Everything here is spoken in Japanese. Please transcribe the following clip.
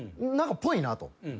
何かっぽいなと。